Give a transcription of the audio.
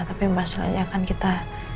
tapi yang pasti hanya akan kita